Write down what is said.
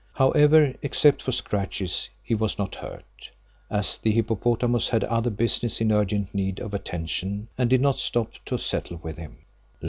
However, except for scratches he was not hurt, as the hippopotamus had other business in urgent need of attention and did not stop to settle with him.